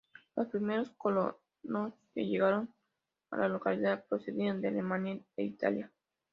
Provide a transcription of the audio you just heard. Los primeros colonos que llegaron a la localidad procedían de Alemania e Italia.